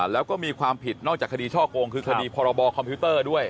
แล้วก็มีความผิดนอกจากคดีช่อโกงคือคดีพรบคอมพิวเตอร์ด้วย